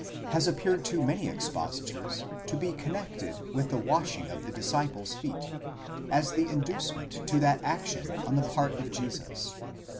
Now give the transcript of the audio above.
has appeared to many ex positors to be connected with the washing of the disciples' feet, as the induce ment to that action on the part of Jesus.